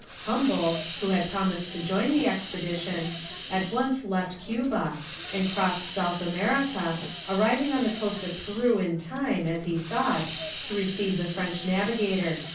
Humboldt, who had promised to join the expedition, at once left Cuba, and crossed South America, arriving on the coast of Peru in time, as he thought, to receive the French navigator.